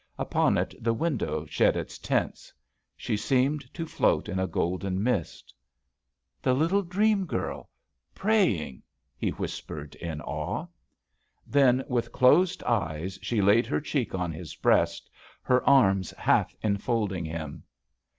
Upon it the window shed its tints. She seemed to float in a golden mist. The little dream girl — spraying I" he whis pered in awe. Then with closed eyes she laid her cheek on his breast, her arms half enfolding him.